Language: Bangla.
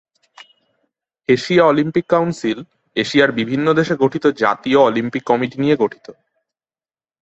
এশিয়া অলিম্পিক কাউন্সিল এশিয়ার বিভিন্ন দেশে গঠিত জাতীয় অলিম্পিক কমিটি নিয়ে গঠিত।